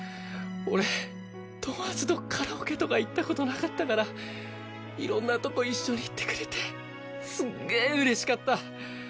俺友達とカラオケとか行った事なかったからいろんなとこ一緒に行ってくれてすげえ嬉しかった！